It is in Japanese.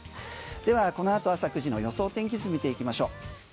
ではこのあと朝９時の予想天気図見ていきましょう。